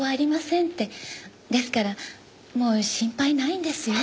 ですからもう心配ないんですよ。